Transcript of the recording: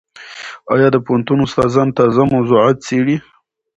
ایا د پوهنتون استادان تازه موضوعات څېړي؟